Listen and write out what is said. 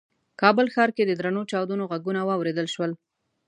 کابل ښار کې د درنو چاودنو غږونه واورېدل شول.